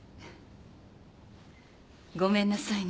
ごめんなさいね。